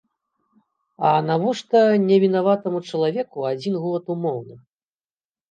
А навошта невінаватаму чалавеку адзін год умоўна?